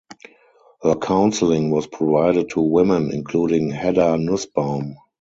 Her counseling was provided to women including Hedda Nussbaum.